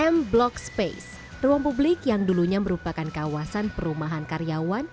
m block space ruang publik yang dulunya merupakan kawasan perumahan karyawan